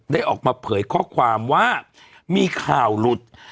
ได้ออกมาเผยข้อความว่ามีข่าวหลุด